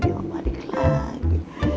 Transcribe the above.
dia mau balik lagi